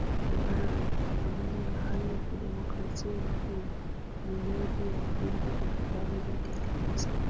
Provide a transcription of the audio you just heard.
habari Pamoja na hali ya kidemokrasia na uminyaji wa vyombo vya habari Ruge aliweza